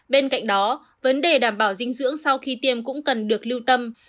bên cạnh đó vấn đề đảm bảo dinh dưỡng sau khi tiêm cũng cần được lưu tâm